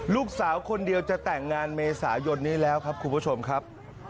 ลูกสาวคนเดียวจะแต่งงานเมษายนนี้แล้วครับคุณผู้ชมครับ